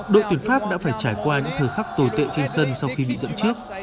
đội tuyển pháp đã phải trải qua những thời khắc tồi tệ trên sân sau khi bị dẫn trước